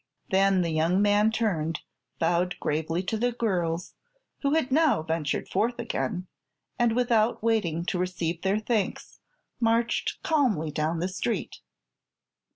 Then the young man turned, bowed gravely to the girls, who had now ventured forth again, and without waiting to receive their thanks marched calmly down the street.